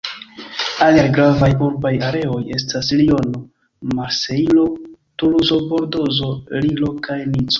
Aliaj gravaj urbaj areoj estas Liono, Marsejlo, Tuluzo, Bordozo, Lillo kaj Nico.